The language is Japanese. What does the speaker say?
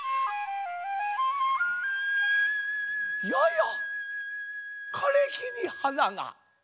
ややかれきにはなが。